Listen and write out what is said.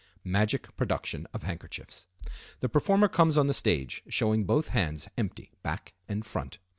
Magic Production of Handkerchiefs.—The performer comes on the stage showing both hands empty, back and front.